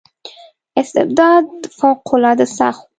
استبداد فوق العاده سخت و.